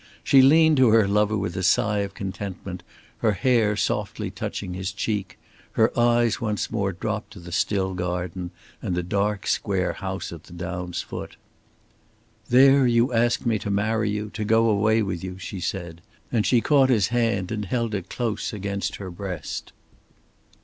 She leaned to her lover with a sigh of contentment, her hair softly touching his cheek; her eyes once more dropped to the still garden and the dark square house at the down's foot. "There you asked me to marry you, to go away with you," she said, and she caught his hand and held it close against her breast.